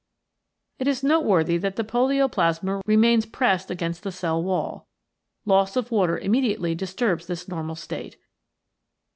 It is noteworthy that the polioplasma remains pressed against the cell wall. Loss of water im mediately disturbs this normal state.